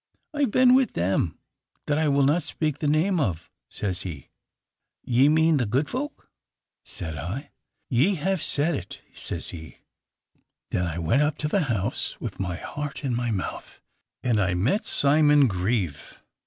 'I have been with them that I will not speak the name of,' says he. 'Ye mean the good folk,' said I. 'Ye have said it,' says he. Then I went up to the house, with my heart in my mouth, and I met Simon Grieve.